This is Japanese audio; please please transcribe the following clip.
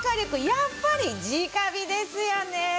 やっぱり直火ですよね。